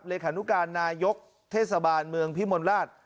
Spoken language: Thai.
เลขานุการนายกเทศบาลเมืองพิมลราช